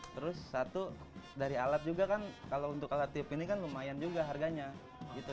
terus satu dari alat juga kan kalau untuk alat tip ini kan lumayan juga harganya gitu